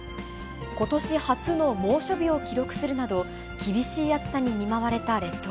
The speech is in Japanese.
ことし初の猛暑日を記録するなど、厳しい暑さに見舞われた列島。